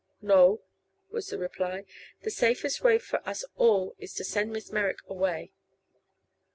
"No," was the reply. "The safest way for us all is to send Miss Merrick away."